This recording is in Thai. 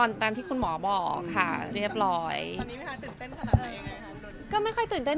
เราเรียกว่าเรามีเป็นเรื่องแรง